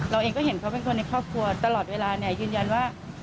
เราเองก็เห็นเขาเป็นคนในครอบครัวตลอดเวลาเนี่ยยืนยันว่า